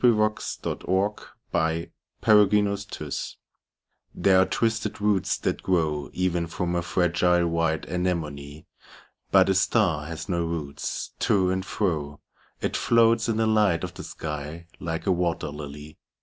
DiqllzodbvCoOgle STAR SONG These are twisted roots that grow Even from a fragile white anemone. 'But a star has no roots : to and fro It floats in the light of the sky, like a wat«r ]ily.